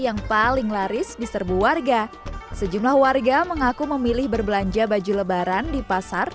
yang paling laris di serbu warga sejumlah warga mengaku memilih berbelanja baju lebaran di pasar